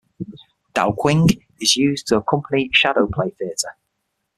Daoqing is used to accompany shadow play theater.